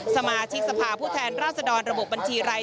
สมาชิกสภาพผู้แทนราชดรระบบบบัญชีราย